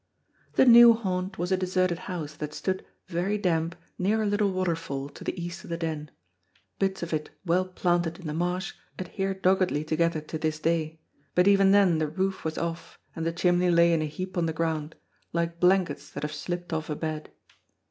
The new haunt was a deserted house, that stood, very damp, near a little waterfall to the east of the Den. Bits of it well planted in the marsh adhere doggedly together to this day, but even then the roof was off and the chimney lay in a heap on the ground, like blankets that have slipped off a bed.